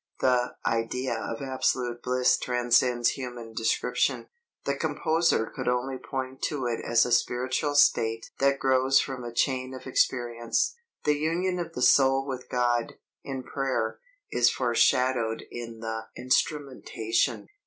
The idea of absolute bliss transcends human description. The composer could only point to it as a spiritual state that grows from a chain of experience. The union of the soul with God, in prayer, is foreshadowed in the instrumentation.